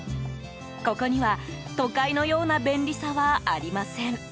ここには、都会のような便利さはありません。